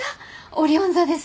オリオン座です。